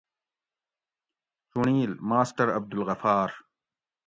چُنڑیل : ماسٹر عبدالغفار